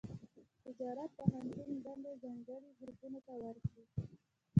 تجارت پوهنتون دندې ځانګړي ګروپونو ته ورکړي.